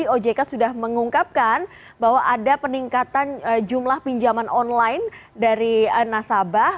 ojk sudah mengungkapkan bahwa ada peningkatan jumlah pinjaman online dari nasabah